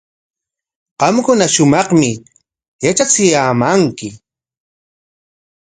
Qamkuna shumaqmi yatrachiyaamanki.